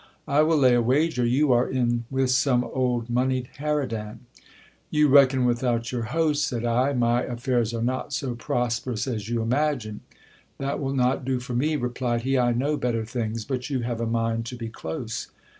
I will lay a wager you are in with some old monied harridan. You reckon without your host, said I, my affairs are not so prosperous as you imagine. That will not do for me, replied he, I know better things ; but you have a mind to be close.